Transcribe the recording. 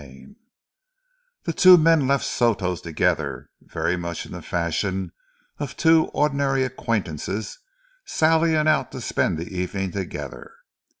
CHAPTER XV The two men left Soto's together, very much in the fashion of two ordinary acquaintances sallying out to spend the evening together.